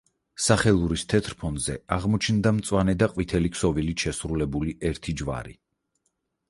სახელურის თეთრ ფონზე აღმოჩნდა მწვანე და ყვითელი ქსოვილით შესრულებული ერთი ჯვარი.